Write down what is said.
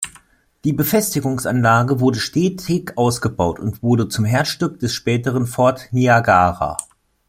Die Befestigungsanlage wurde stetig ausgebaut und wurde zum Herzstück des späteren Fort Niagara.